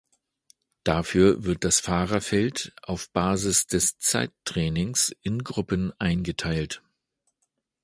Dafür wird das Fahrerfeld, auf Basis des Zeittraining, in Gruppen eingeteilt.